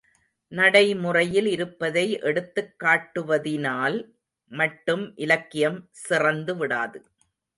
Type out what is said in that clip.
நடைமுறையில் இருப்பதை எடுத்துக் காட்டுவதினால் மட்டும் இலக்கியம் சிறந்துவிடாது.